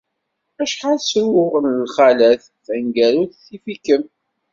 Acḥal sruɣ n lxalat, taneggarut tif-ikem.